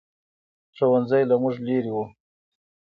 ښوؤنځی له موږ لرې ؤ